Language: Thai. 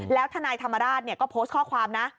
แล้วทนายธรรมราชก็โพสต์ข้อความนะ